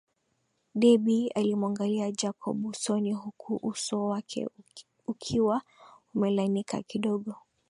Debby alimuangalia Jacob usoni huku uso wake ukiwa umelainika kidogo